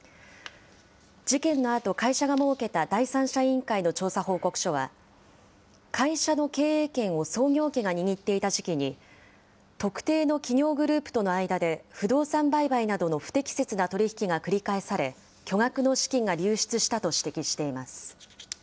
事件のあと、会社が設けた第三者委員会の調査報告書は、会社の経営権を創業家が握っていた時期に、特定の企業グループとの間で、不動産売買などの不適切な取り引きが繰り返され、巨額の資金が流出したと指摘しています。